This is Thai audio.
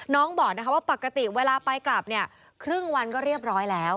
น้องบอกนะคะว่าปกติเวลาไปกลับเนี่ยครึ่งวันก็เรียบร้อยแล้ว